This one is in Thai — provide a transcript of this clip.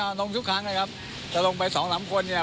ลงเนี่ยลงทุกครั้งเลยครับแต่ลงไปสองสามคนเนี่ย